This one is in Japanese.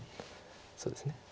そうですね。